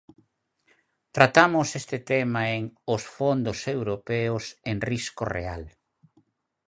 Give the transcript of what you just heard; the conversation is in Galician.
Tratamos este tema en 'Os fondos europeos, en risco real'.